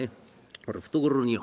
これ懐によ。